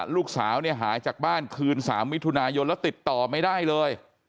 ลูกสาวเนี่ยหายจากบ้านคืน๓มิถุนายนแล้วติดต่อไม่ได้เลย